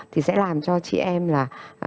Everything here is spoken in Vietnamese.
thì sẽ làm cho chị em là